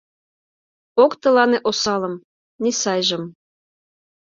Ок тылане осалым, ни сайжым.